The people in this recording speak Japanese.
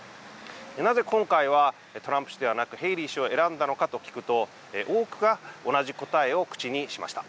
なぜ今回はトランプ氏ではなくヘイリー氏を選んだのかと聞くと多くが同じ答えを口にしました。